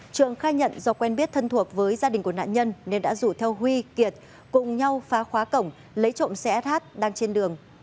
trường khai nhận do quen biết thân thuộc với gia đình của nạn nhân nên đã rủ theo huy kiệt cùng nhau phá khóa cổng lấy trộm xe sh đang trên đường